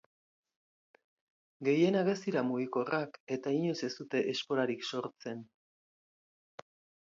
Gehienak ez dira mugikorrak, eta inoiz ez dute esporarik sortzen.